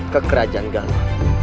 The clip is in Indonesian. ke kerajaan galuh